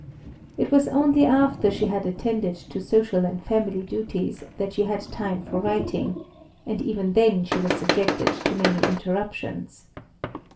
It was only after she had attended to social and family duties that she had time for writing, and even then she was subjected to many interruptions.